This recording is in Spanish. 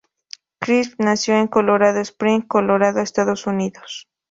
Crisp nació en Colorado Springs, Colorado, Estados Unidos.